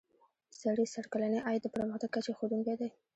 سړي سر کلنی عاید د پرمختګ کچې ښودونکی دی.